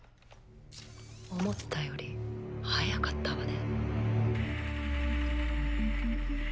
思ったより早かったわね。